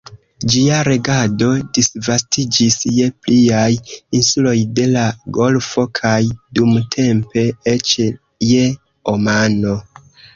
Ĝia regado disvastiĝis je pliaj insuloj de la golfo kaj dumtempe eĉ je Omano.